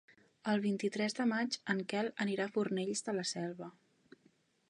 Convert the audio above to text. El vint-i-tres de maig en Quel anirà a Fornells de la Selva.